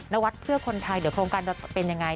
นวัดเพื่อคนไทยเดี๋ยวโครงการจะเป็นยังไง